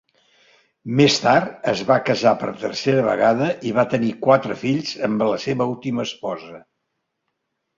Més tard, es va casar per tercera vegada i va tenir quatre fills amb la seva última esposa.